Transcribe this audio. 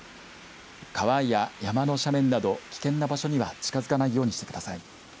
川や山の斜面など危険な場所には近づかないようにしてください。